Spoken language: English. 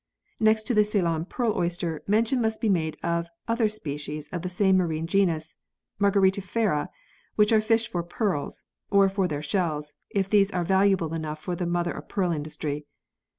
Next to the Ceylon pearl oyster, mention must be made of other species of the same marine genus Margaritifera which are fished for pearls, or for their shells, if these are valuable enough for the mother of pearl industry.